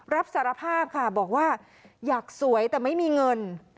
รับสารภาพค่ะบอกว่าอยากสวยแต่ไม่มีเงิน